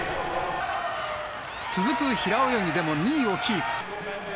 続く平泳ぎでも２位をキープ。